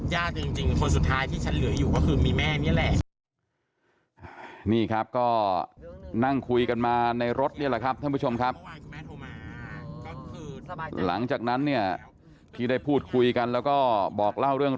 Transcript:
อย่างที่อันน้าเคยพูดว่าถ้าพูดกันนับยากจริง